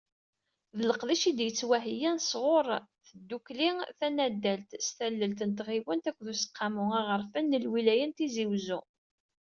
D leqdic i d-yettwaheyyan sɣur tdukkli tanaddalt s tallelt n tɣiwant akked Useqqamu aɣerfan n lwilaya n Tizi Uzzu.